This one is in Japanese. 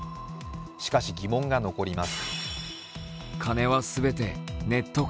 しかし、疑問が残ります。